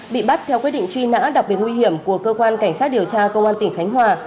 bị bắt theo quyết định truy nã đặc biệt nguy hiểm của cơ quan cảnh sát điều tra công an tỉnh khánh hòa